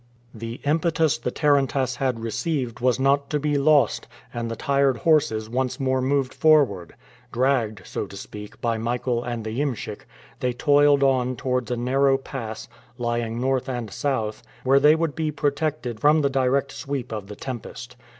The impetus the tarantass had received was not to be lost, and the tired horses once more moved forward. Dragged, so to speak, by Michael and the iemschik, they toiled on towards a narrow pass, lying north and south, where they would be protected from the direct sweep of the tempest.